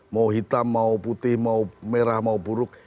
mau hitam mau putih mau merah mau buruk